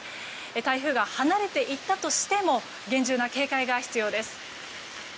台風が離れていったとしても厳重な警戒が必要です。